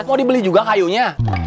mau dibeli juga kayunya